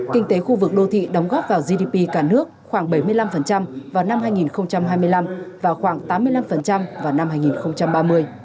kinh tế khu vực đô thị đóng góp vào gdp cả nước khoảng bảy mươi năm vào năm hai nghìn hai mươi năm và khoảng tám mươi năm vào năm hai nghìn ba mươi